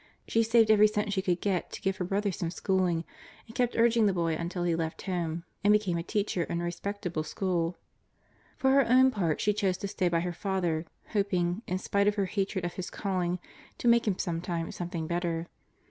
She saved every cent she could get to give her brother some schooling, and kept urging the boy until he left home and became a teacher in a respectable school. For her own part she chose to stay by her father, hoping, in spite of her hatred of his calling, to make him sometime something better.